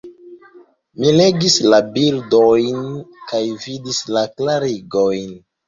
Mi legis la bildojn, kaj vidis la klarigojn.